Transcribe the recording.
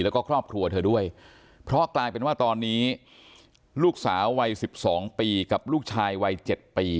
แล้วก็ครอบครัวเธอด้วยเพราะกลายเป็นว่าตอนนี้ลูกสาววัย๑๒ปีกับลูกชายวัย๗ปี